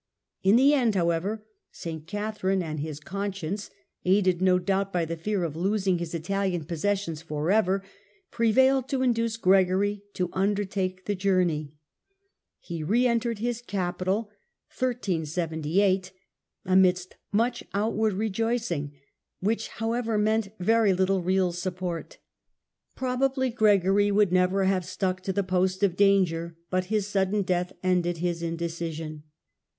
In the end, however, St. Catherine and his conscience, aided no doubt by the fear of losing his Italian possessions for ever, prevailed to induce Gregory to undertake the journey. He re entered his capital Return of amidst much outward rejoicing, which, however, meant p°,me^°i378 very little real support. Probably Gregory would never have stuck to the post of danger, but his sudden death ended his indecision.